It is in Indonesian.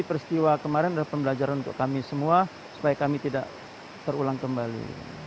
peristiwa kemarin adalah pembelajaran untuk kami semua supaya kami tidak terulang kembali